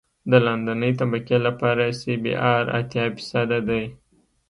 د لاندنۍ طبقې لپاره سی بي ار اتیا فیصده دی